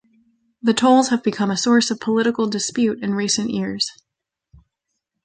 The tolls have become a source of political dispute in recent years.